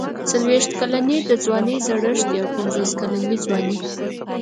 څلوېښت کلني د ځوانۍ زړښت دی او پنځوس کلني ځواني.